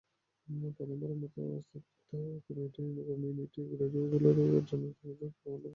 প্রথমবারের মতো স্থাপিত কমিউনিটি রেডিওগুলোর অর্জন ইতিমধ্যে সব মহলের দৃষ্টি আকর্ষণ করেছে।